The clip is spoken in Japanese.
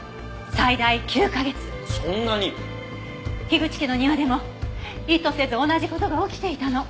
口家の庭でも意図せず同じ事が起きていたの。